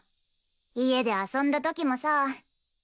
家で遊んだ時もさ。